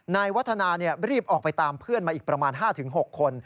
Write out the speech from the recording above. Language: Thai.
นายวัฒนารีบออกไปตามเพื่อนมาอีกประมาณ๕๖คน